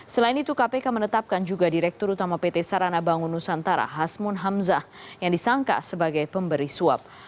selain itu kpk menetapkan juga direktur utama pt sarana bangun nusantara hasmun hamzah yang disangka sebagai pemberi suap